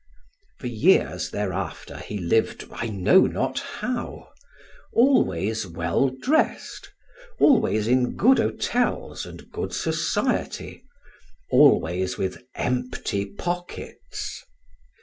For years thereafter he lived I know not how; always well dressed, always in good hotels and good society, always with empty pockets.